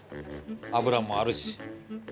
脂もあるし。